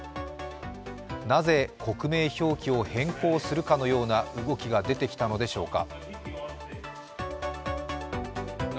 なぜ国名表記を変更するかのような動きが出てきたのでしょうか。